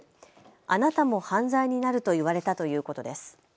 あなたも犯罪になると言われたということです。